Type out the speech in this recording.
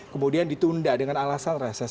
kemudian ditunda dengan alasan reses